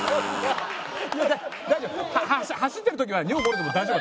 走ってる時は尿漏れても大丈夫。